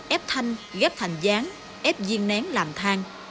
ép thanh ghép thành gián ép viên nén làm thang